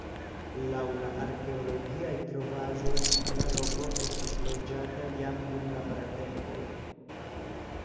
Laŭ la arkeologiaj trovaĵoj la loko estis loĝata jam dum la pratempoj.